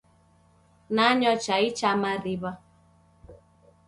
Nanywa chai cha mariw'a.